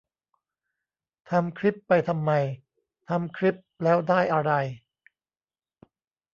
ทำคลิปไปทำไม ทำคลิปแล้วได้อะไร